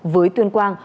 với tuyên quang